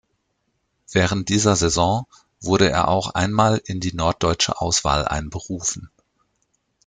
Während dieser Saison wurde er auch einmal in die norddeutsche Auswahl einberufen.